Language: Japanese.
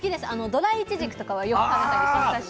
ドライいちじくとかはよく食べたりしますね。